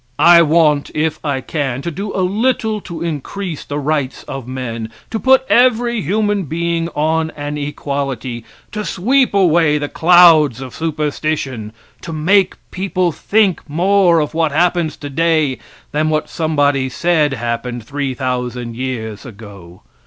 I want, if I can, to do a little to increase the rights of men, to put every human being on an equality, to sweep away the clouds of superstition, to make people think more of what happens today than what somebody said happened 3,000 years ago.